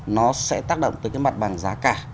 nó sẽ tác động tới cái mặt bằng giá cả